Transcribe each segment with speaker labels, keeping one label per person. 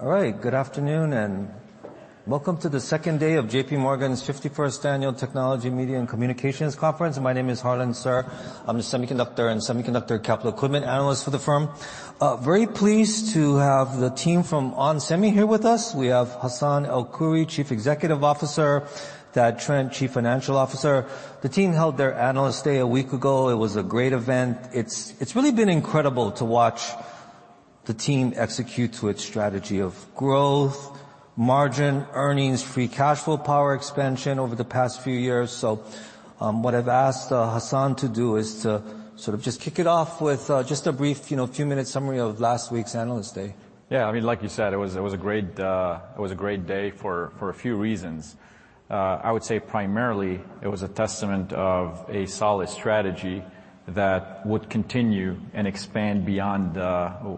Speaker 1: Oh, wow.
Speaker 2: All right. Good afternoon and welcome to the second day of JPMorgan's 51st annual Technology, Media, and Communications Conference. My name is Harlan Sur. I'm the semiconductor and semiconductor capital equipment analyst for the firm. Very pleased to have the team from onsemi here with us. We have Hassane El-Khoury, Chief Executive Officer, Thad Trent, Chief Financial Officer. The team held their analyst day a week ago. It was a great event. It's really been incredible to watch the team execute to its strategy of growth, margin, earnings, free cash flow power expansion over the past few years. What I've asked Hassane to do is to sort of just kick it off with just a brief, you know, two-minute summary of last week's analyst day.
Speaker 1: Yeah, I mean, like you said, it was a great day for a few reasons. I would say primarily it was a testament of a solid strategy that would continue and expand beyond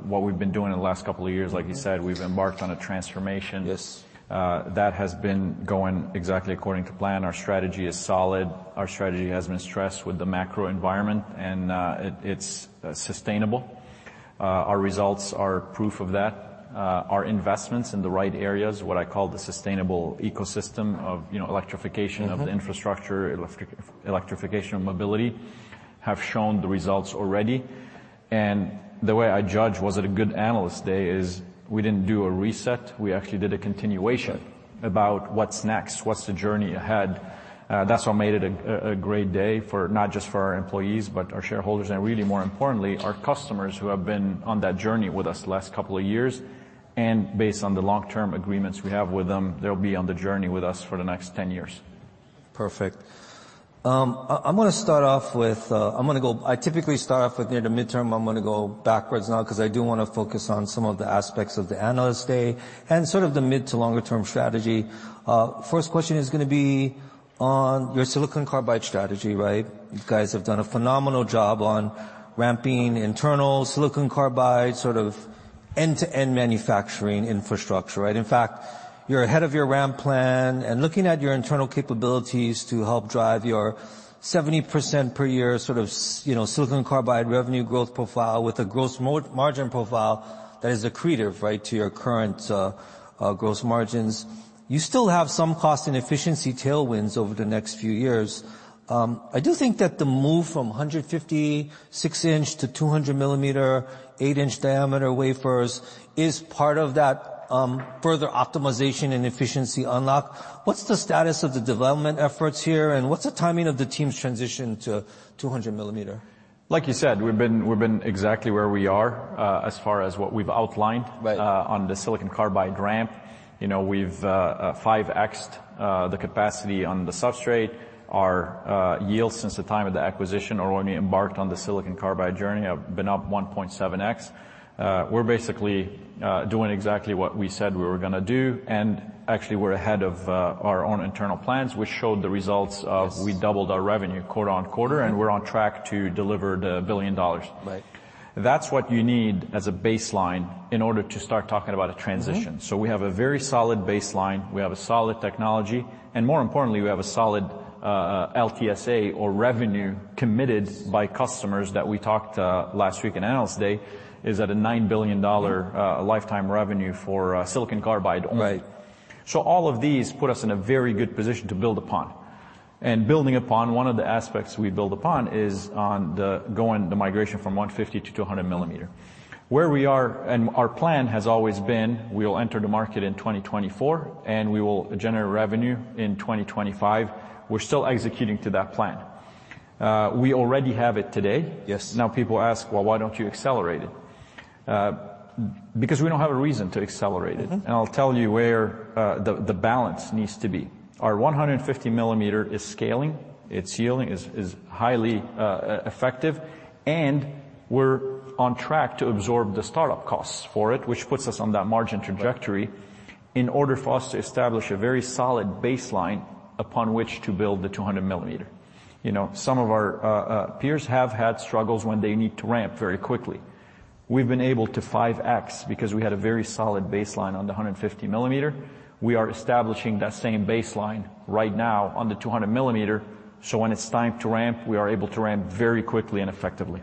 Speaker 1: what we've been doing in the last couple of years. Like you said, we've embarked on a transformation.
Speaker 2: Yes.
Speaker 1: That has been going exactly according to plan. Our strategy is solid. Our strategy has been stressed with the macro environment, and it's sustainable. Our results are proof of that. Our investments in the right areas, what I call the sustainable ecosystem of, you know, electrification...
Speaker 2: Mm-hmm.
Speaker 1: Of the infrastructure, electrification of mobility, have shown the results already. The way I judge was it a good analyst day is we didn't do a reset. We actually did a continuation about what's next, what's the journey ahead. That's what made it a great day for not just for our employees, but our shareholders and really more importantly, our customers who have been on that journey with us the last couple of years, and based on the long-term agreements we have with them, they'll be on the journey with us for the next 10 years.
Speaker 2: Perfect. I typically start off with near the midterm. I'm going to go backwards now because I do want to focus on some of the aspects of the Analyst Day and sort of the mid- to longer-term strategy. First question is going to be on your silicon carbide strategy, right? You guys have done a phenomenal job on ramping internal silicon carbide, sort of end-to-end manufacturing infrastructure, right? In fact, you're ahead of your ramp plan and looking at your internal capabilities to help drive your 70% per year sort of you know, silicon carbide revenue growth profile with a gross margin profile that is accretive, right, to your current gross margins. You still have some cost and efficiency tailwinds over the next few years. I do think that the move from 150 mm 6-in to 200 mm 8-in diameter wafers is part of that, further optimization and efficiency unlock. What's the status of the development efforts here, and what's the timing of the team's transition to 200 mm?
Speaker 1: Like you said, we've been exactly where we are, as far as what we've outlined.
Speaker 2: Right.
Speaker 1: On the silicon carbide ramp. You know, we've 5x the capacity on the substrate. Our yield since the time of the acquisition or when we embarked on the silicon carbide journey have been up 1.7x. We're basically doing exactly what we said we were gonna do and actually we're ahead of our own internal plans, which showed the results.
Speaker 2: Yes.
Speaker 1: We doubled our revenue quarter-on-quarter, and we're on track to deliver $1 billion.
Speaker 2: Right.
Speaker 1: That's what you need as a baseline in order to start talking about a transition.
Speaker 2: Mm-hmm.
Speaker 1: We have a very solid baseline. We have a solid technology, and more importantly, we have a solid LTSA or revenue committed by customers that we talked last week in analyst day, is at a $9 billion lifetime revenue for silicon carbide only.
Speaker 2: Right.
Speaker 1: All of these put us in a very good position to build upon, and building upon, one of the aspects we build upon is on the migration from 150 mm to 200 mm. Our plan has always been, we'll enter the market in 2024, we will generate revenue in 2025. We're still executing to that plan. We already have it today.
Speaker 2: Yes.
Speaker 1: Now people ask, "Well, why don't you accelerate it?" Because we don't have a reason to accelerate it.
Speaker 2: Mm-hmm.
Speaker 1: I'll tell you where, the balance needs to be. Our 150 mm is scaling. It's yielding. It's highly effective, and we're on track to absorb the startup costs for it, which puts us on that margin trajectory.
Speaker 2: Right.
Speaker 1: In order for us to establish a very solid baseline upon which to build the 200 millimeter. You know, some of our peers have had struggles when they need to ramp very quickly. We've been able to 5x because we had a very solid baseline on the 150 millimeter. We are establishing that same baseline right now on the 200 millimeter, so when it's time to ramp, we are able to ramp very quickly and effectively.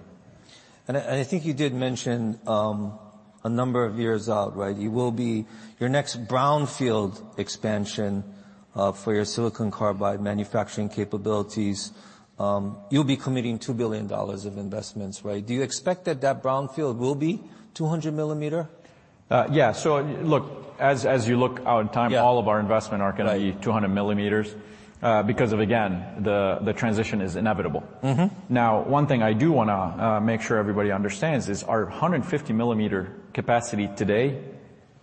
Speaker 2: I think you did mention, a number of years out, right? Your next brownfield expansion, for your silicon carbide manufacturing capabilities, you'll be committing $2 billion of investments, right? Do you expect that that brownfield will be 200 mm?
Speaker 1: Yeah. Look, as you look out in time.
Speaker 2: Yeah.
Speaker 1: All of our investment are.
Speaker 2: Right.
Speaker 1: 200 millimeters, because of again, the transition is inevitable.
Speaker 2: Mm-hmm.
Speaker 1: One thing I do wanna make sure everybody understands is our 150 mm capacity today is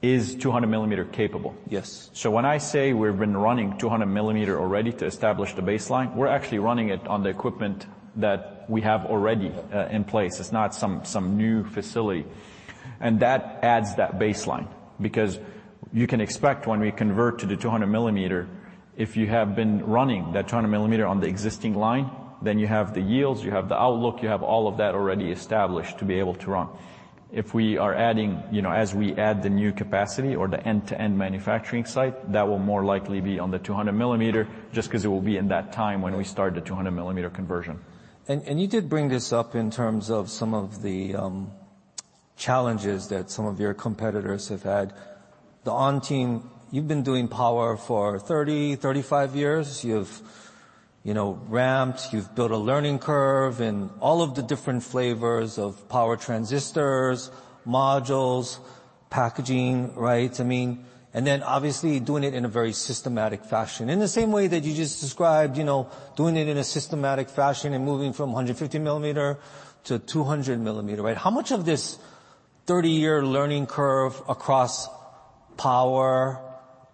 Speaker 1: 200 mm capable.
Speaker 2: Yes.
Speaker 1: When I say we've been running 200 mm already to establish the baseline, we're actually running it on the equipment that we have already in place. It's not some new facility. That adds that baseline because you can expect when we convert to the 200 mm, if you have been running that 200 mm on the existing line, then you have the yields, you have the outlook, you have all of that already established to be able to run. If we are adding, you know, as we add the new capacity or the end-to-end manufacturing site, that will more likely be on the 200 mm just 'cause it will be in that time when we start the 200 mm conversion.
Speaker 2: You did bring this up in terms of some of the Challenges that some of your competitors have had. The onsemi team, you've been doing power for 30, 35 years. You've, you know, ramped, you've built a learning curve and all of the different flavors of power transistors, modules, packaging, right? I mean. Then obviously doing it in a very systematic fashion. In the same way that you just described, you know, doing it in a systematic fashion and moving from 150 mm to 200 mm, right? How much of this 30-year learning curve across power,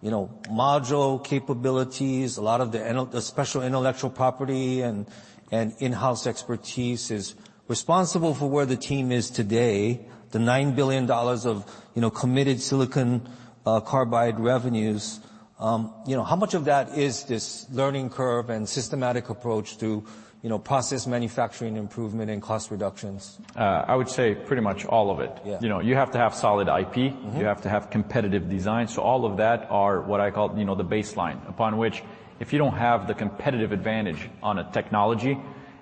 Speaker 2: you know, module capabilities, a lot of the special intellectual property and in-house expertise is responsible for where the team is today, the $9 billion of, you know, committed silicon carbide revenues. You know, how much of that is this learning curve and systematic approach to, you know, process manufacturing improvement and cost reductions?
Speaker 1: I would say pretty much all of it.
Speaker 2: Yeah.
Speaker 1: You know, you have to have solid I.P.
Speaker 2: Mm-hmm.
Speaker 1: You have to have competitive design. All of that are what I call, you know, the baseline upon which if you don't have the competitive advantage on a technology,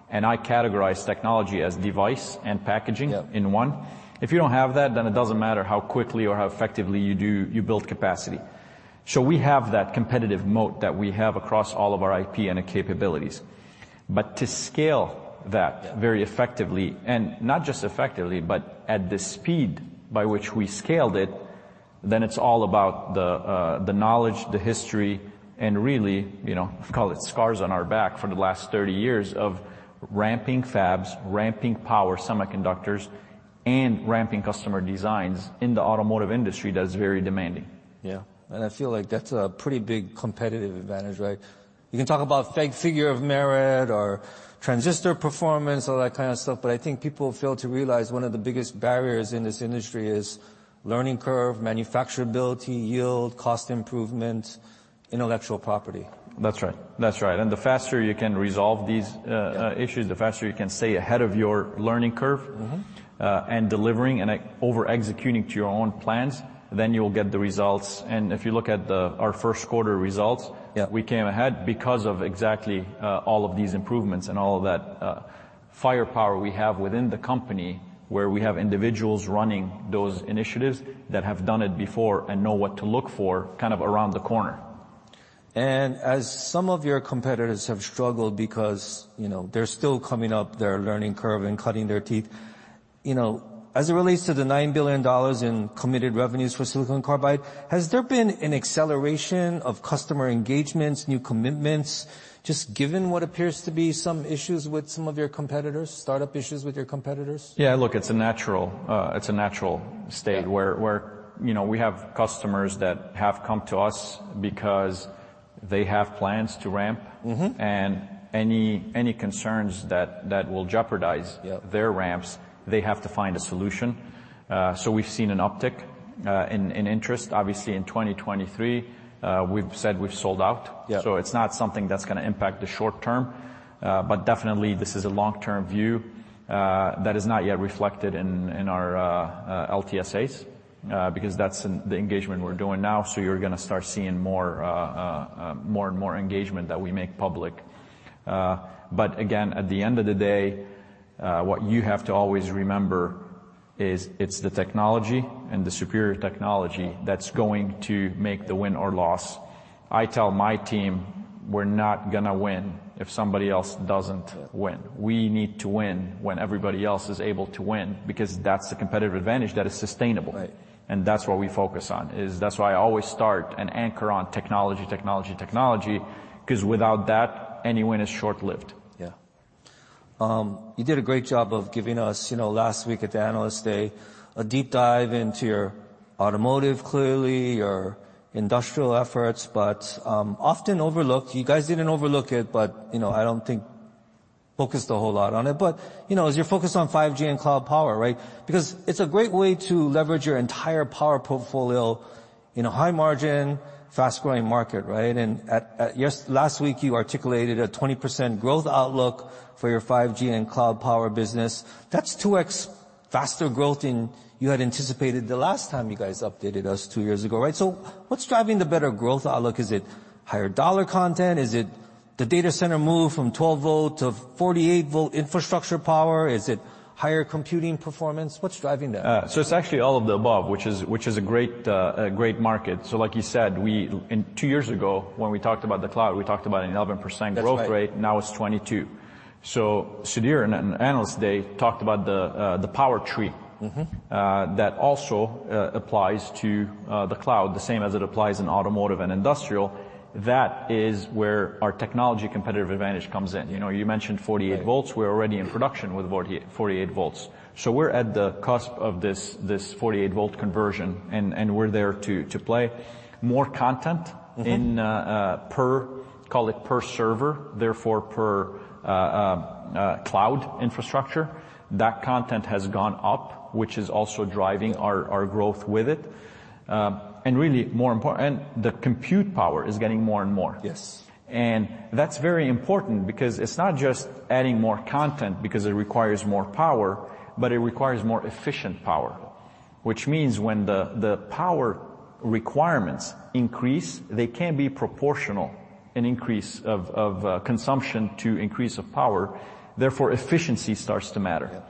Speaker 1: and I categorize technology as device and packaging...
Speaker 2: Yeah....
Speaker 1: in one, if you don't have that, then it doesn't matter how quickly or how effectively you build capacity. We have that competitive moat that we have across all of our IP and the capabilities. To scale that-
Speaker 2: Yeah....
Speaker 1: very effectively, and not just effectively, but at the speed by which we scaled it, then it's all about the knowledge, the history, and really, you know, I call it scars on our back for the last 30 years of ramping fabs, ramping power semiconductors, and ramping customer designs in the automotive industry that's very demanding.
Speaker 2: Yeah. I feel like that's a pretty big competitive advantage, right? You can talk about figure of merit or transistor performance, all that kind of stuff, but I think people fail to realize one of the biggest barriers in this industry is learning curve, manufacturability, yield, cost improvement, intellectual property.
Speaker 1: That's right. That's right. The faster you can resolve these.
Speaker 2: Yeah.
Speaker 1: issues, the faster you can stay ahead of your learning curve.
Speaker 2: Mm-hmm...
Speaker 1: and delivering and over-executing to your own plans, then you'll get the results. If you look at our first quarter results.
Speaker 2: Yeah. ...
Speaker 1: we came ahead because of exactly, all of these improvements and all of that, firepower we have within the company where we have individuals running those initiatives that have done it before and know what to look for kind of around the corner.
Speaker 2: As some of your competitors have struggled because, you know, they're still coming up their learning curve and cutting their teeth, you know, as it relates to the $9 billion in committed revenues for silicon carbide, has there been an acceleration of customer engagements, new commitments, just given what appears to be some issues with some of your competitors, start-up issues with your competitors?
Speaker 1: Yeah. Look, it's a natural.
Speaker 2: Yeah....
Speaker 1: where, you know, we have customers that have come to us because they have plans to ramp.
Speaker 2: Mm-hmm.
Speaker 1: Any concerns that will jeopardize-
Speaker 2: Yeah....
Speaker 1: their ramps, they have to find a solution. We've seen an uptick, in interest. Obviously in 2023, we've said we've sold out.
Speaker 2: Yeah.
Speaker 1: It's not something that's gonna impact the short term, but definitely this is a long-term view that is not yet reflected in our LTSA, because that's the engagement we're doing now. You're gonna start seeing more, more and more engagement that we make public. Again, at the end of the day, what you have to always remember is it's the technology and the superior technology that's going to make the win or loss. I tell my team, "We're not gonna win if somebody else doesn't win.
Speaker 2: Yeah.
Speaker 1: We need to win when everybody else is able to win, because that's the competitive advantage that is sustainable.
Speaker 2: Right.
Speaker 1: That's what we focus on, is that's why I always start and anchor on technology, technology, 'cause without that, any win is short-lived.
Speaker 2: You did a great job of giving us, you know, last week at the Analyst Day, a deep dive into your automotive, clearly, your industrial efforts, but often overlooked, you guys didn't overlook it, but, you know, I don't think focused a whole lot on it, but, you know, is your focus on 5G and cloud power, right? Because it's a great way to leverage your entire power portfolio in a high margin, fast-growing market, right? Last week you articulated a 20% growth outlook for your 5G and cloud power business. That's 2x faster growth than you had anticipated the last time you guys updated us two years ago, right? What's driving the better growth outlook? Is it higher dollar content? Is it the data center move from 12-volt to 48-volt infrastructure power? Is it higher computing performance? What's driving that?
Speaker 1: It's actually all of the above, which is, which is a great, a great market. Like you said, two years ago, when we talked about the cloud, we talked about an 11% growth rate.
Speaker 2: That's right.
Speaker 1: Now it's 22. Sudhir in Analyst Day talked about the power tree.
Speaker 2: Mm-hmm
Speaker 1: that also applies to the cloud, the same as it applies in automotive and industrial. That is where our technology competitive advantage comes in. You know, you mentioned 48 in volts.
Speaker 2: Right.
Speaker 1: We're already in production with 48-volt. We're at the cusp of this 48-volt conversion, and we're there to play more content.
Speaker 2: Mm-hmm...
Speaker 1: in, call it per server, therefore per, cloud infrastructure. That content has gone up, which is also driving our growth with it. Really more important. The compute power is getting more and more.
Speaker 2: Yes.
Speaker 1: That's very important because it's not just adding more content because it requires more power, but it requires more efficient power, which means when the power requirements increase, they can be proportional, an increase of consumption to increase of power, therefore efficiency starts to matter.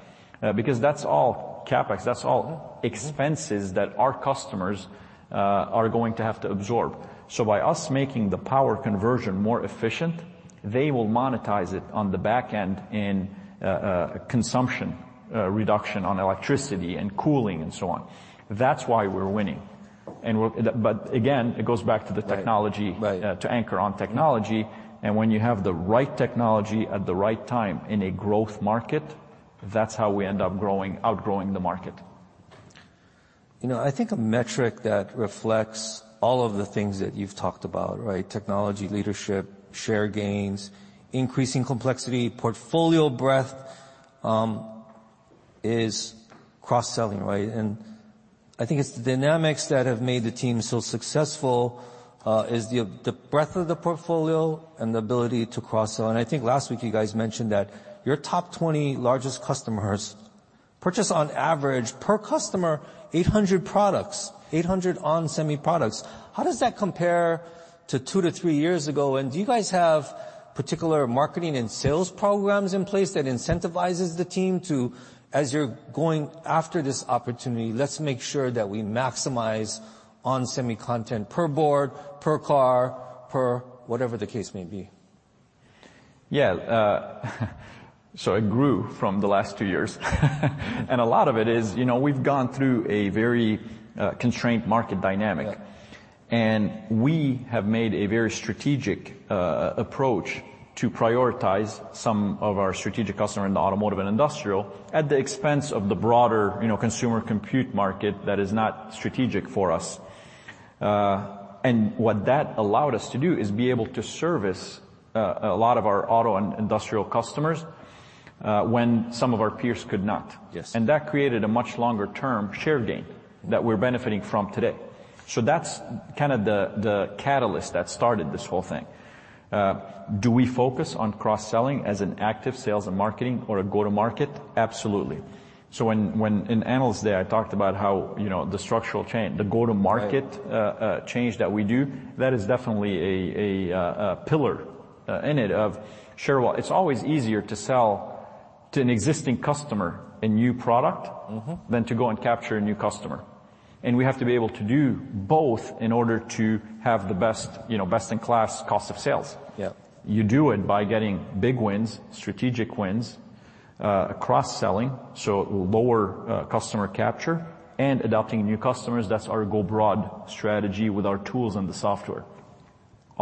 Speaker 2: Yeah.
Speaker 1: Because that's all CapEx.
Speaker 2: Yeah. Mm-hmm.
Speaker 1: expenses that our customers, are going to have to absorb. By us making the power conversion more efficient, they will monetize it on the back end in, consumption, reduction on electricity and cooling and so on. That's why we're winning. Again, it goes back to the technology-
Speaker 2: Right. Right.
Speaker 1: to anchor on technology. When you have the right technology at the right time in a growth market, that's how we end up growing, outgrowing the market.
Speaker 2: You know, I think a metric that reflects all of the things that you've talked about, right, technology, leadership, share gains, increasing complexity, portfolio breadth, is cross-selling, right? I think it's the dynamics that have made the team so successful, is the breadth of the portfolio and the ability to cross-sell. I think last week you guys mentioned that your top 20 largest customers purchase on average per customer 8 in 100 products, 8 in 100 onsemi products. How does that compare to two to three years ago? Do you guys have particular marketing and sales programs in place that incentivizes the team to, as you're going after this opportunity, let's make sure that we maximize onsemi content per board, per car, per whatever the case may be?
Speaker 1: Yeah. It grew from the last two years. A lot of it is, you know, we've gone through a very constrained market dynamic.
Speaker 2: Yeah.
Speaker 1: We have made a very strategic approach to prioritize some of our strategic customer in the automotive and industrial at the expense of the broader, you know, consumer compute market that is not strategic for us. What that allowed us to do is be able to service a lot of our auto and industrial customers, when some of our peers could not.
Speaker 2: Yes.
Speaker 1: That created a much longer term share gain that we're benefiting from today. That's kind of the catalyst that started this whole thing. Do we focus on cross-selling as an active sales and marketing or a go-to-market? Absolutely. When, in Analyst Day, I talked about how, you know, the structural change, the go-to-market-
Speaker 2: Right....
Speaker 1: change that we do, that is definitely a pillar in it of share. It's always easier to sell to an existing customer a new product.
Speaker 2: Mm-hmm
Speaker 1: ...than to go and capture a new customer. We have to be able to do both in order to have the best, you know, best-in-class cost of sales.
Speaker 2: Yeah.
Speaker 1: You do it by getting big wins, strategic wins, cross-selling, so lower, customer capture and adopting new customers. That's our go broad strategy with our tools and the software.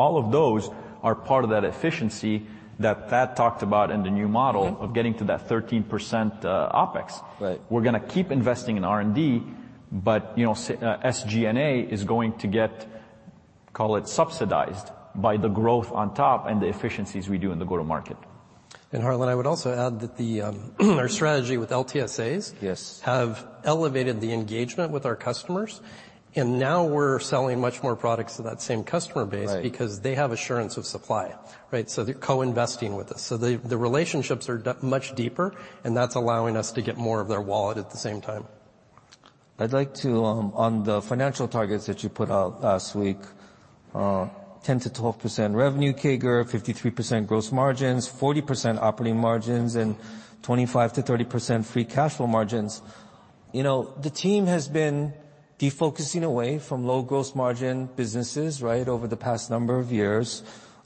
Speaker 1: All of those are part of that efficiency that Thad talked about in the new model.
Speaker 2: Mm-hmm...
Speaker 1: of getting to that 13%, OpEx.
Speaker 2: Right.
Speaker 1: We're going to keep investing in R&D, you know, SG&A is going to get, call it, subsidized by the growth on top and the efficiencies we do in the go-to-market.
Speaker 3: Harlan, I would also add that the, our strategy with LTSA.
Speaker 2: Yes....
Speaker 3: have elevated the engagement with our customers, now we're selling much more products to that same customer base.
Speaker 2: Right.
Speaker 3: because they have assurance of supply, right? They're co-investing with us. The relationships are much deeper, and that's allowing us to get more of their wallet at the same time.
Speaker 2: I'd like to, on the financial targets that you put out last week, 10%-12% revenue CAGR, 53% gross margins, 40% operating margins, and 25%-30% free cash flow margins. You know, the team has been defocusing away from low gross margin businesses, right, over the past number of years.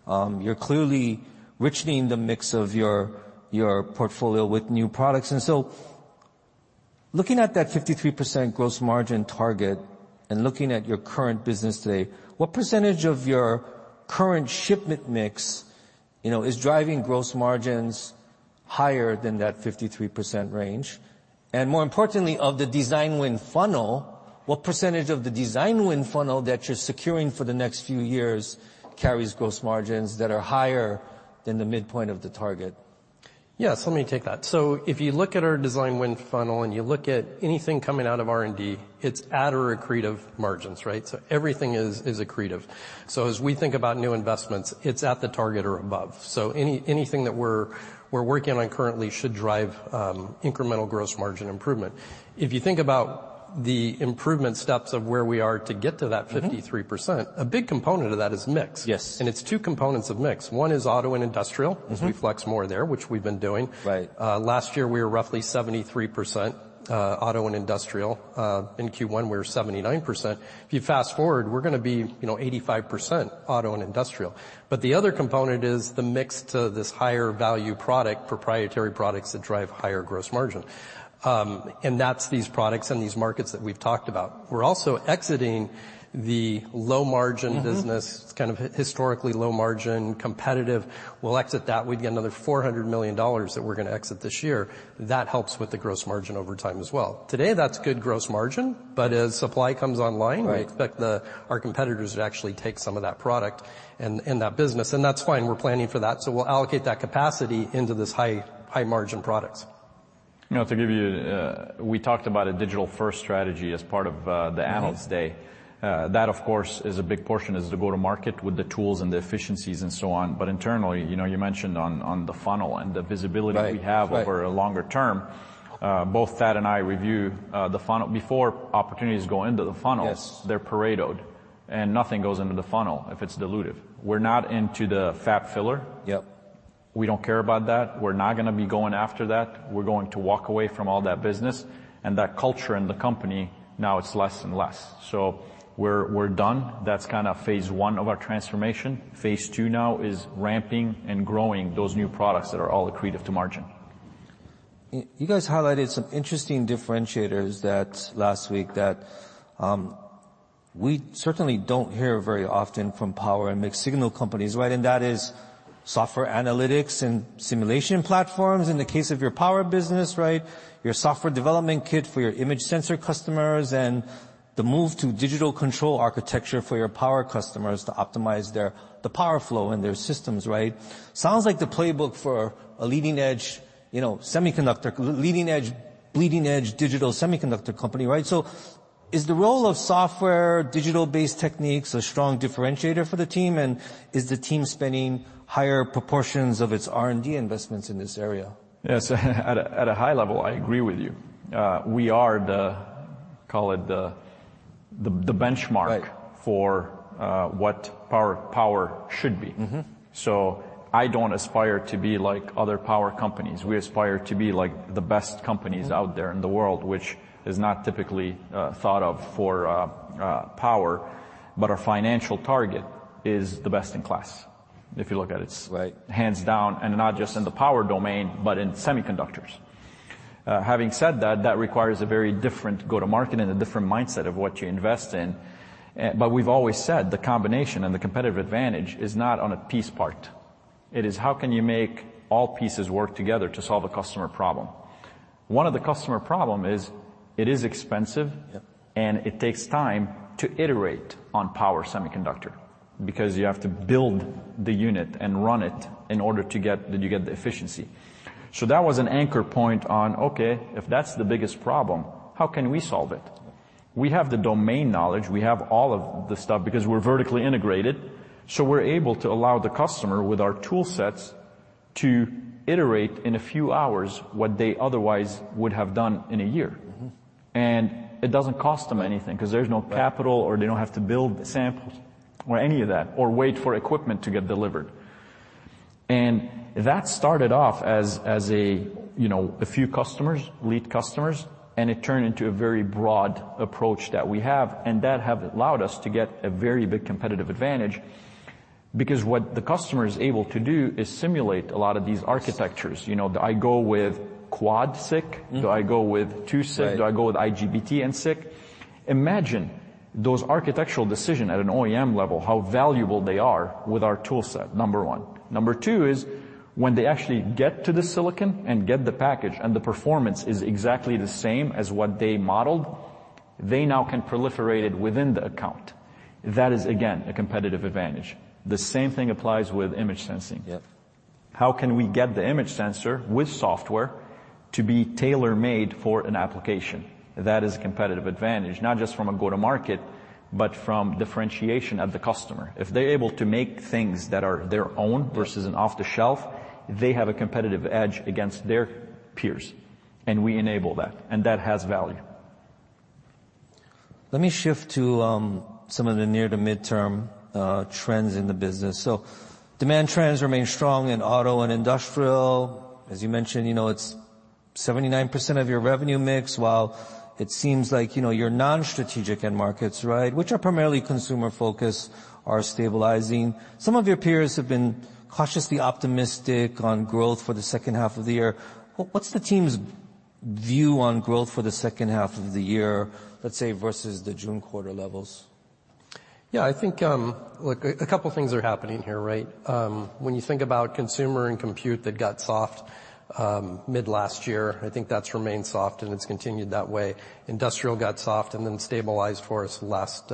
Speaker 2: You're clearly riching the mix of your portfolio with new products. Looking at that 53% gross margin target and looking at your current business today, what percentage of your current shipment mix, you know, is driving gross margins higher than that 53% range? More importantly, of the design win funnel, what percentage of the design win funnel that you're securing for the next few years carries gross margins that are higher than the midpoint of the target?
Speaker 3: Yes, let me take that. If you look at our design win funnel, and you look at anything coming out of R&D, it's at or accretive margins, right? Everything is accretive. As we think about new investments, it's at the target or above. Anything that we're working on currently should drive incremental gross margin improvement. If you think about the improvement steps of where we are to get to that 53%.
Speaker 2: Mm-hmm
Speaker 3: a big component of that is mix.
Speaker 2: Yes.
Speaker 3: It's two components of mix. One is auto and industrial...
Speaker 2: Mm-hmm...
Speaker 3: as we flex more there, which we've been doing.
Speaker 2: Right.
Speaker 3: Last year, we were roughly 73% auto and industrial. In Q1, we're 79%. If you fast-forward, we're gonna be, you know, 85% auto and industrial. The other component is the mix to this higher value product, proprietary products that drive higher gross margin. That's these products and these markets that we've talked about. We're also exiting the low-margin business.
Speaker 2: Mm-hmm...
Speaker 3: it's kind of historically low margin, competitive. We'll exit that. We'd get another $400 million that we're gonna exit this year. That helps with the gross margin over time as well. Today, that's good gross margin, but as supply comes online-
Speaker 2: Right....
Speaker 3: we expect our competitors to actually take some of that product and that business. That's fine. We're planning for that. We'll allocate that capacity into this high, high-margin products.
Speaker 1: You know, to give you, we talked about a digital-first strategy as part of the Analyst Day.
Speaker 2: Mm-hmm.
Speaker 1: That, of course, is a big portion, is the go-to-market with the tools and the efficiencies and so on. Internally, you know, you mentioned on the funnel and the visibility...
Speaker 2: Right. Right.
Speaker 1: we have over a longer term, both Thad and I review, the funnel. Before opportunities go into the funnels.
Speaker 2: Yes....
Speaker 1: they're Paretoed. Nothing goes into the funnel if it's dilutive. We're not into the fab filler.
Speaker 2: Yep.
Speaker 1: We don't care about that. We're not going to be going after that. We're going to walk away from all that business and that culture in the company, now it's less and less. We're done. That's kind of phase one of our transformation. Phase two now is ramping and growing those new products that are all accretive to margin.
Speaker 2: You guys highlighted some interesting differentiators that last week, that we certainly don't hear very often from power and mixed-signal companies, right? That is software analytics and simulation platforms in the case of your power business, right? Your software development kit for your image sensor customers and the move to digital control architecture for your power customers to optimize the power flow in their systems, right? Sounds like the playbook for a leading edge, you know, bleeding edge digital semiconductor company, right? Is the role of software digital-based techniques a strong differentiator for the team? Is the team spending higher proportions of its R&D investments in this area?
Speaker 1: Yes. At a, at a high level, I agree with you. We are the, call it the, benchmark-
Speaker 2: Right.
Speaker 1: ...for, what power should be.
Speaker 2: Mm-hmm.
Speaker 1: I don't aspire to be like other power companies. We aspire to be like the best companies.
Speaker 2: Mm-hmm
Speaker 1: ...out there in the world, which is not typically, thought of for, power, but our financial target is the best in class, if you look at it.
Speaker 2: Right.
Speaker 1: Hands down, and not just in the power domain, but in semiconductors. Having said that requires a very different go-to-market and a different mindset of what you invest in. We've always said the combination and the competitive advantage is not on a piece part. It is, how can you make all pieces work together to solve a customer problem? One of the customer problem is it is expensive-
Speaker 2: Yep.
Speaker 1: It takes time to iterate on power semiconductor, because you have to build the unit and run it to get the efficiency. That was an anchor point on, okay, if that's the biggest problem, how can we solve it? We have the domain knowledge, we have all of the stuff because we're vertically integrated. We're able to allow the customer, with our tool sets, to iterate in a few hours what they otherwise would have done in a year.
Speaker 2: Mm-hmm.
Speaker 1: it doesn't cost them anything, 'cause there's no capital-
Speaker 2: Right.
Speaker 1: ...or they don't have to build samples or any of that, or wait for equipment to get delivered. That started off as a, you know, a few customers, lead customers, and it turned into a very broad approach that we have and that have allowed us to get a very big competitive advantage, because what the customer is able to do is simulate a lot of these architectures. You know, do I go with quad SiC?
Speaker 2: Mm-hmm.
Speaker 1: Do I go with 2 SiC?
Speaker 2: Right.
Speaker 1: Do I go with IGBT and SiC? Imagine those architectural decision at an OEM level, how valuable they are with our tool set, number one. Number two is when they actually get to the silicon and get the package and the performance is exactly the same as what they modeled, they now can proliferate it within the account. That is, again, a competitive advantage. The same thing applies with image sensing.
Speaker 2: Yep.
Speaker 1: How can we get the image sensor with software to be tailor-made for an application? That is competitive advantage, not just from a go-to-market, but from differentiation of the customer. If they're able to make things that are their own.
Speaker 2: Yeah.
Speaker 1: versus an off-the-shelf, they have a competitive edge against their peers, and we enable that, and that has value.
Speaker 2: Let me shift to some of the near to midterm trends in the business. Demand trends remain strong in auto and industrial. As you mentioned, you know, it's 79% of your revenue mix, while it seems like, you know, your non-strategic end markets, right? Which are primarily consumer focused, are stabilizing. Some of your peers have been cautiously optimistic on growth for the second half of the year. What's the team's view on growth for the second half of the year, let's say versus the June quarter levels?
Speaker 3: I think, look, a couple things are happening here, right? When you think about consumer and compute that got soft, mid last year, I think that's remained soft, and it's continued that way. Industrial got soft and then stabilized for us last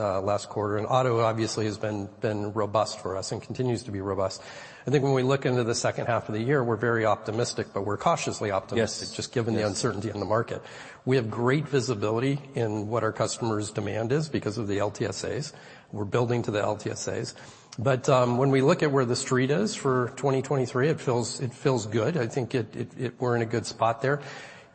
Speaker 3: quarter. Auto obviously has been robust for us and continues to be robust. I think when we look into the second half of the year, we're very optimistic, but we're cautiously optimistic.
Speaker 2: Yes.
Speaker 3: ...just given the uncertainty in the market. We have great visibility in what our customers' demand is because of the LTSA. We're building to the LTSA. When we look at where the street is for 2023, it feels good. I think we're in a good spot there.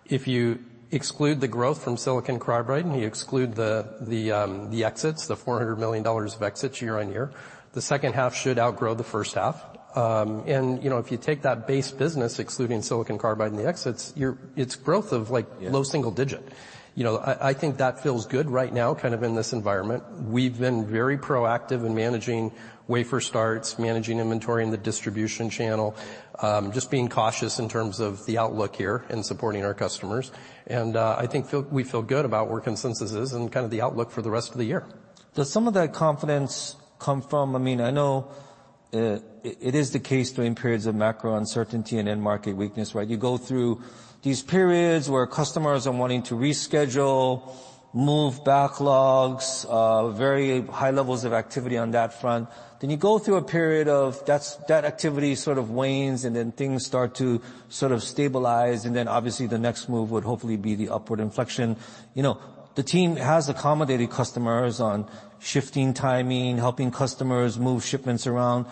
Speaker 3: If you exclude the growth from silicon carbide and you exclude the exits, the $400 million of exits year-on-year, the second half should outgrow the first half. You know, if you take that base business excluding silicon carbide and the exits, it's growth of like-
Speaker 2: Yeah.
Speaker 3: ...low single digit. You know, I think that feels good right now, kind of in this environment. We've been very proactive in managing wafer starts, managing inventory in the distribution channel, just being cautious in terms of the outlook here and supporting our customers. I think we feel good about where consensus is and kind of the outlook for the rest of the year.
Speaker 2: Does some of that confidence come from, I mean, I know it is the case during periods of macro uncertainty and end market weakness, right? You go through these periods where customers are wanting to reschedule, move backlogs, very high levels of activity on that front. You go through a period of that activity sort of wanes, and then things start to sort of stabilize. Obviously the next move would hopefully be the upward inflection. You know, the team has accommodated customers on shifting timing, helping customers move shipments around.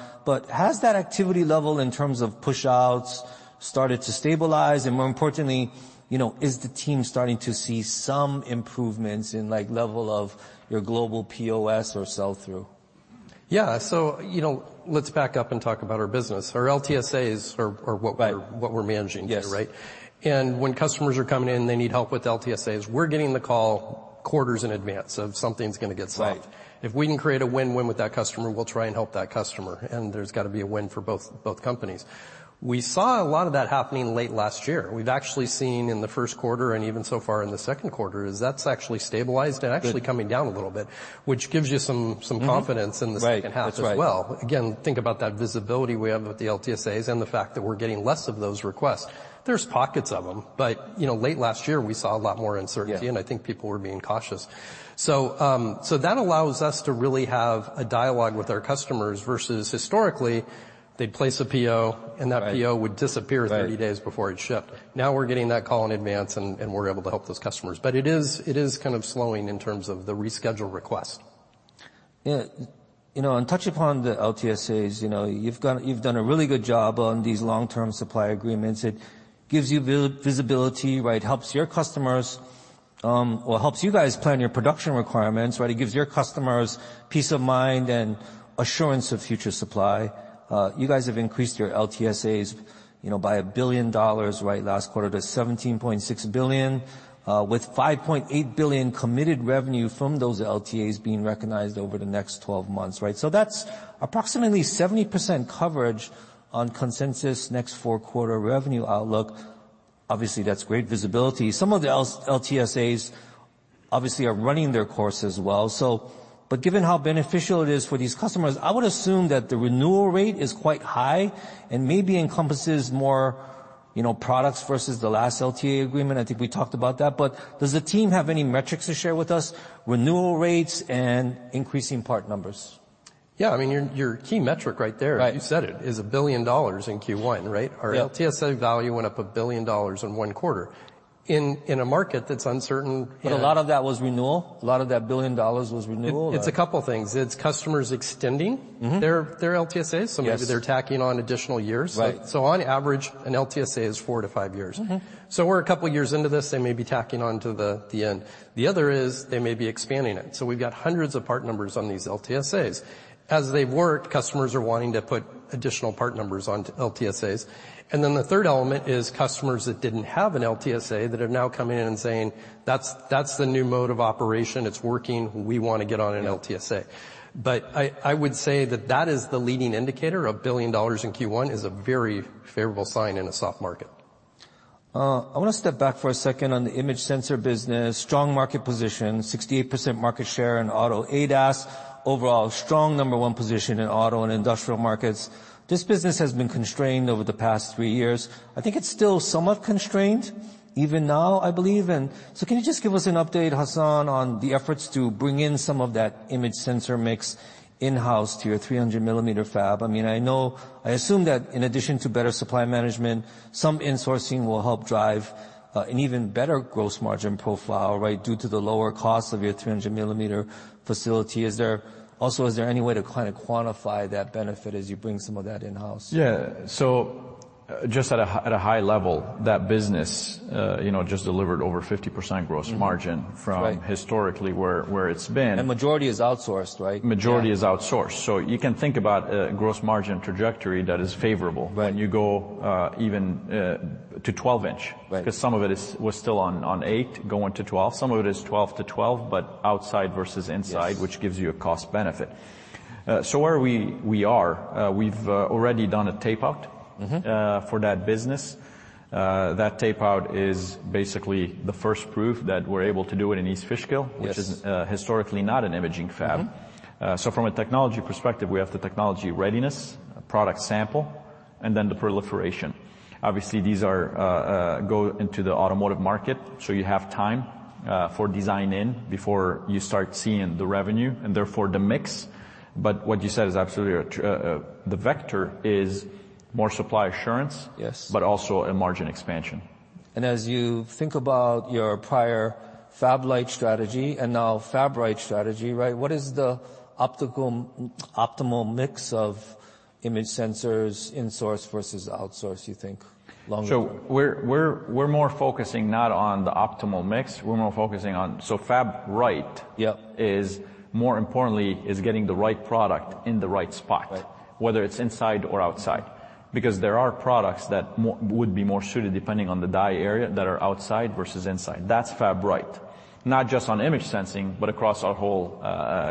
Speaker 2: Has that activity level in terms of push-outs started to stabilize? More importantly, you know, is the team starting to see some improvements in like level of your global POS or sell-through?
Speaker 3: Yeah. you know, let's back up and talk about our business. Our LTSA are.
Speaker 2: Right.
Speaker 3: what we're managing here, right?
Speaker 2: Yes.
Speaker 3: When customers are coming in, they need help with LTSA, we're getting the call quarters in advance of something's gonna get solved.
Speaker 2: Right.
Speaker 3: If we can create a win-win with that customer, we'll try and help that customer, and there's gotta be a win for both companies. We saw a lot of that happening late last year. We've actually seen in the first quarter and even so far in the second quarter is that's actually stabilized.
Speaker 2: Good.
Speaker 3: Actually coming down a little bit, which gives you some confidence.
Speaker 2: Mm-hmm. Right.
Speaker 3: in the second half as well.
Speaker 2: That's right.
Speaker 3: Think about that visibility we have with the LTSA, and the fact that we're getting less of those requests. There's pockets of them, but, you know, late last year we saw a lot more uncertainty.
Speaker 2: Yeah....
Speaker 3: and I think people were being cautious. So that allows us to really have a dialogue with our customers versus historically they'd place a PO.
Speaker 2: Right.
Speaker 3: PO would disappear.
Speaker 2: Right....
Speaker 3: 30 days before it shipped. Now we're getting that call in advance, and we're able to help those customers. it is kind of slowing in terms of the reschedule request.
Speaker 2: Yeah. You know, touch upon the LTSA. You know, you've done a really good job on these long-term supply agreements. It gives you visibility, right? Helps your customers, or helps you guys plan your production requirements, right? It gives your customers peace of mind and assurance of future supply. You guys have increased your LTSA, you know, by $1 billion, right, last quarter to $17.6 billion, with $5.8 billion committed revenue from those LTAs being recognized over the next 12 months, right? That's approximately 70% coverage on consensus next 4-quarter revenue outlook. Obviously, that's great visibility. Some of the LTSA obviously are running their course as well. Given how beneficial it is for these customers, I would assume that the renewal rate is quite high and maybe encompasses more, you know, products versus the last LTSA agreement. I think we talked about that. Does the team have any metrics to share with us, renewal rates and increasing part numbers?
Speaker 3: Yeah. I mean, your key metric right there...
Speaker 2: Right....
Speaker 3: you said it, is $1 billion in Q1, right?
Speaker 2: Yeah.
Speaker 3: Our LTSA value went up $1 billion in one quarter. In a market that's uncertain.
Speaker 2: A lot of that was renewal? A lot of that $1 billion was renewal or-
Speaker 3: It's a couple things. It's customers.
Speaker 2: Mm-hmm...
Speaker 3: their LTSA.
Speaker 2: Yes.
Speaker 3: Maybe they're tacking on additional years.
Speaker 2: Right.
Speaker 3: On average, an LTSA is four to five years.
Speaker 2: Mm-hmm.
Speaker 3: We're a couple years into this. They may be tacking on to the end. The other is they may be expanding it, so we've got hundreds of part numbers on these LTSA. As they've worked, customers are wanting to put additional part numbers onto LTSA. The third element is customers that didn't have an LTSA that have now come in and saying, "That's the new mode of operation. It's working. We wanna get on an LTSA.
Speaker 2: Yeah.
Speaker 3: I would say that that is the leading indicator. $1 billion in Q1 is a very favorable sign in a soft market.
Speaker 2: I want to step back for a second on the image sensor business. Strong market position, 68% market share in auto ADAS. Overall, strong number one position in auto and industrial markets. This business has been constrained over the past three years. I think it's still somewhat constrained even now, I believe. Can you just give us an update, Hassane, on the efforts to bring in some of that image sensor mix in-house to your 300 mm fab? I mean, I assume that in addition to better supply management, some insourcing will help drive an even better gross margin profile, right, due to the lower cost of your 300 mm facility. Is there any way to kind of quantify that benefit as you bring some of that in-house?
Speaker 1: Yeah. just at a high level, that business, you know, just delivered over 50% gross margin.
Speaker 2: Mm-hmm. Right....
Speaker 1: from historically where it's been.
Speaker 2: Majority is outsourced, right?
Speaker 1: Majority is outsourced.
Speaker 2: Yeah.
Speaker 1: You can think about a gross margin trajectory that is favorable.
Speaker 2: Right....
Speaker 1: when you go, even, to 12 in.
Speaker 2: Right.
Speaker 1: 'Cause some of it was still on 8-inch going to 12 in. Some of it is 12 in to 12 in, but outside versus inside.
Speaker 2: Yes.
Speaker 1: which gives you a cost benefit. Where we are, we've already done a tape-out.
Speaker 2: Mm-hmm...
Speaker 1: for that business. That tape-out is basically the first proof that we're able to do it in East Fishkill-
Speaker 2: Yes....
Speaker 1: which is, historically not an imaging fab.
Speaker 2: Mm-hmm.
Speaker 1: From a technology perspective, we have the technology readiness, a product sample, and then the proliferation. Obviously, these are go into the automotive market, so you have time for design-in before you start seeing the revenue and therefore the mix. What you said is absolutely true. The vector is more supply assurance.
Speaker 2: Yes....
Speaker 1: also a margin expansion.
Speaker 2: As you think about your prior fab-lite strategy and now Fab Right strategy, right? What is the optimal mix of image sensors in-source versus outsource, you think longer term?
Speaker 1: We're more focusing not on the optimal mix, we're more focusing on... Fab Right-
Speaker 2: Yeah....
Speaker 1: is more importantly is getting the right product in the right spot.
Speaker 2: Right.
Speaker 1: Whether it's inside or outside. There are products that would be more suited depending on the die area that are outside versus inside. That's Fab Right. Not just on image sensing, but across our whole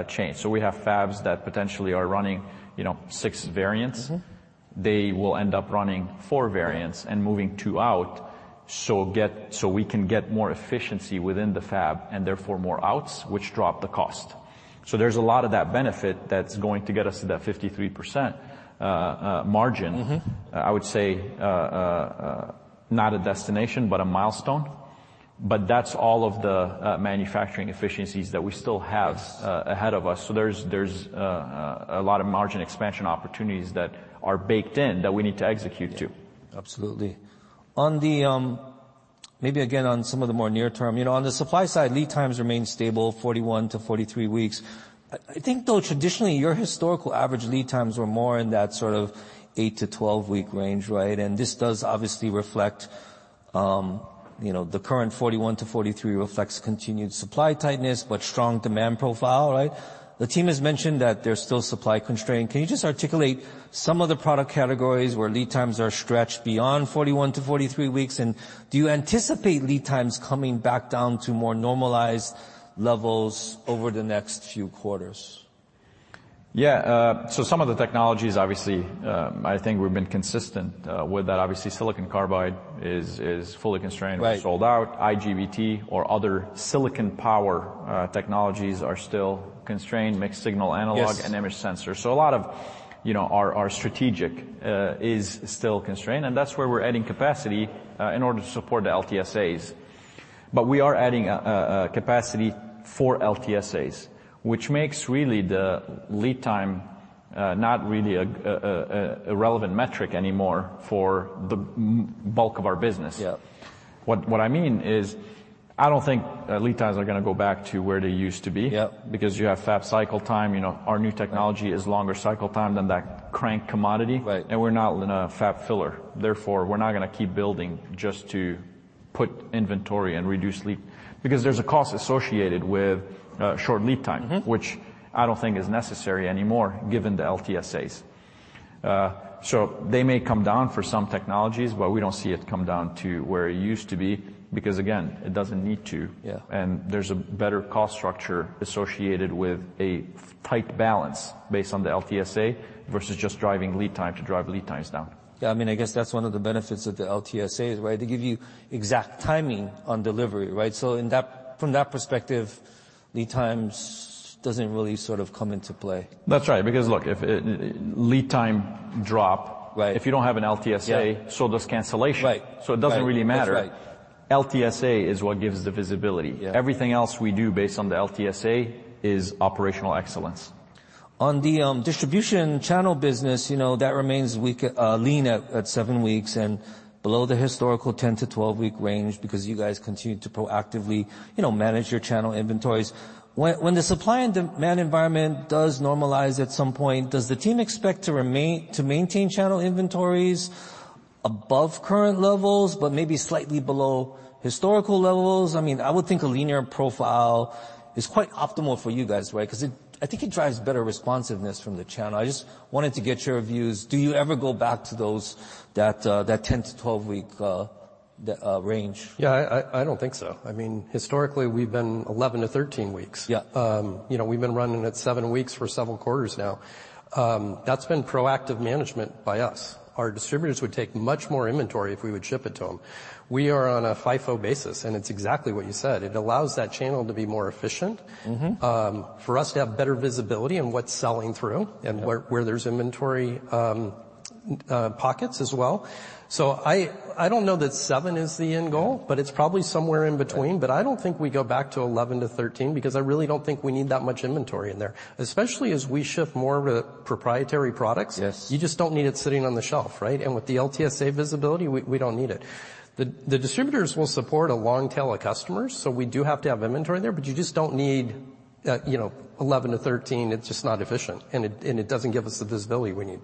Speaker 1: chain. We have fabs that potentially are running, you know, six variants.
Speaker 2: Mm-hmm.
Speaker 1: They will end up running four variants and moving two out, so we can get more efficiency within the fab, and therefore more outs, which drop the cost. There's a lot of that benefit that's going to get us to that 53% margin.
Speaker 2: Mm-hmm.
Speaker 1: I would say, not a destination, but a milestone. That's all of the manufacturing efficiencies that we still have.
Speaker 2: Yes....
Speaker 1: ahead of us. There's a lot of margin expansion opportunities that are baked in that we need to execute to.
Speaker 2: Yeah. Absolutely. On the, maybe again, on some of the more near term, you know, on the supply side, lead times remain stable, 41-43 weeks. I think though traditionally, your historical average lead times were more in that sort of eight to 12-week range, right? This does obviously reflect, you know, the current 41-43 reflects continued supply tightness, but strong demand profile, right? The team has mentioned that there's still supply constraint. Can you just articulate some of the product categories where lead times are stretched beyond 41-43 weeks? Do you anticipate lead times coming back down to more normalized levels over the next few quarters?
Speaker 1: Yeah. Some of the technologies, obviously, I think we've been consistent with that. Obviously, silicon carbide is fully constrained...
Speaker 2: Right.
Speaker 1: -or sold out, IGBT or other silicon power technologies are still constrained, mixed-signal analog-
Speaker 2: Yes.
Speaker 1: image sensor. A lot of, you know, our strategic is still constrained, and that's where we're adding capacity in order to support the LTSA. We are adding a capacity for LTSA, which makes really the lead time not really a relevant metric anymore for the bulk of our business.
Speaker 2: Yeah.
Speaker 1: What I mean is, I don't think lead times are gonna go back to where they used to be.
Speaker 2: Yeah.
Speaker 1: Because you have fab cycle time. You know, our new technology is longer cycle time than that crank commodity.
Speaker 2: Right.
Speaker 1: we're not in a fab filler, therefore, we're not gonna keep building just to put inventory and reduce lead. Because there's a cost associated with short lead time.
Speaker 2: Mm-hmm.
Speaker 1: which I don't think is necessary anymore given the LTSA. They may come down for some technologies, but we don't see it come down to where it used to be because, again, it doesn't need to.
Speaker 2: Yeah.
Speaker 1: There's a better cost structure associated with a tight balance based on the LTSA versus just driving lead time to drive lead times down.
Speaker 2: I mean, I guess that's one of the benefits of the LTSA, right? They give you exact timing on delivery, right? From that perspective, lead times doesn't really sort of come into play.
Speaker 1: That's right. Look, lead time drop-
Speaker 2: Right.
Speaker 1: if you don't have an LTSA
Speaker 2: Yeah.
Speaker 1: does cancellation.
Speaker 2: Right. Right.
Speaker 1: It doesn't really matter.
Speaker 2: That's right.
Speaker 1: LTSA is what gives the visibility.
Speaker 2: Yeah.
Speaker 1: Everything else we do based on the LTSA is operational excellence.
Speaker 2: On the distribution channel business, you know, that remains lean at seven weeks and below the historical 10 to 12-week range because you guys continue to proactively, you know, manage your channel inventories. When the supply and demand environment does normalize at some point, does the team expect to maintain channel inventories above current levels, but maybe slightly below historical levels? I mean, I would think a linear profile is quite optimal for you guys, right? I think it drives better responsiveness from the channel. I just wanted to get your views. Do you ever go back to those that 10 to 12-week range?
Speaker 3: Yeah, I don't think so. I mean, historically, we've been 11-13 weeks.
Speaker 2: Yeah.
Speaker 3: you know, we've been running at seven weeks for several quarters now. That's been proactive management by us. Our distributors would take much more inventory if we would ship it to them. We are on a FIFO basis, and it's exactly what you said. It allows that channel to be more efficient-.
Speaker 2: Mm-hmm.
Speaker 3: for us to have better visibility on what's selling through and where there's inventory, pockets as well. I don't know that 7 is the end goal, but it's probably somewhere in between.
Speaker 2: Right.
Speaker 3: I don't think we go back to 11-13 because I really don't think we need that much inventory in there, especially as we shift more to proprietary products.
Speaker 2: Yes.
Speaker 3: You just don't need it sitting on the shelf, right? With the LTSA visibility, we don't need it. The distributors will support a long tail of customers, so we do have to have inventory there, but you just don't need, you know, 11 to 13. It's just not efficient, and it doesn't give us the visibility we need.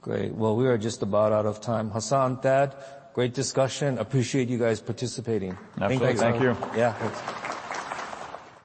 Speaker 2: Great. We are just about out of time. Hassane, Thad, great discussion. Appreciate you guys participating.
Speaker 1: Absolutely. Thank you.
Speaker 3: Thanks.
Speaker 2: Yeah. Thanks.